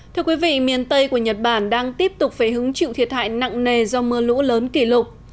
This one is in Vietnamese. thưa quý vị miền tây của nhật bản đang tiếp tục phải hứng chịu thiệt hại nặng nề do mưa lũ lớn kỷ lục